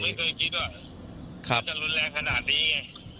แต่ผมไม่เคยคิดว่าจะรุนแรงขนาดนี้ไง